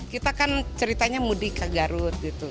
kita kan ceritanya mudik ke garut gitu